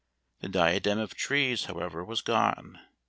The diadem of trees, however, was gone.